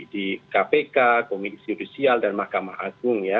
di kpk komisi judisial dan mahkamah agung ya